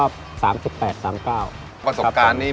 ประสบการณ์นี้มากมาย๒๐กว่าปี